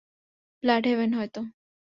ব্লাডহেভেনে, হয়তো।